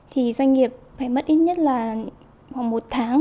thì doanh nghiệp phải mất ít nhất là khoảng một tháng